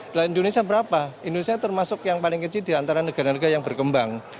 nilai indonesia berapa indonesia termasuk yang paling kecil di antara negara negara yang berkembang